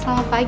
teng teng teng